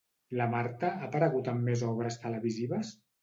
La Marta ha aparegut en més obres televisives?